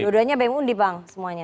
keduanya bem undi bang semuanya